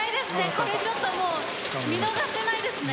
これちょっともう見逃せないですね